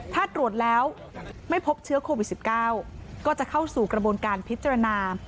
ถ้าตรวจแล้วไม่พบเชื้อโควิด๑๙ก็จะเข้าสู่กระบวนการพิจารณา